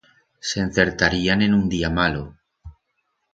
S'encertarían en un día malo.